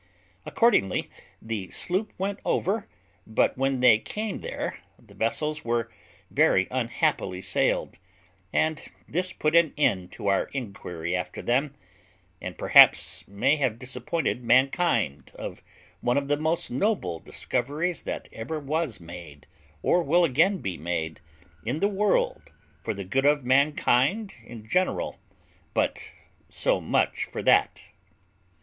Accordingly, the sloop went over; but when they came there, the vessels were very unhappily sailed, and this put an end to our inquiry after them, and perhaps may have disappointed mankind of one of the most noble discoveries that ever was made, or will again be made, in the world, for the good of mankind in general; but so much for that.